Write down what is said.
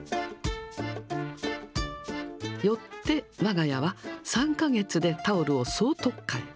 よって、わが家は３か月でタオルを総とっかえ。